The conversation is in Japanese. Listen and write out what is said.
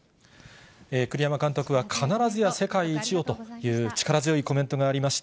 栗山監督は必ずや世界一をという力強いコメントがありました。